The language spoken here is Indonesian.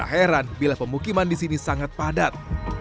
tak heran bila pemukiman di sini sangat padat